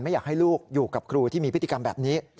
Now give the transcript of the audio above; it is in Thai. อยากให้ลูกอยู่กับครูที่มีพฤติกรรมแบบนี้